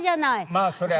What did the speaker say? まあそれは。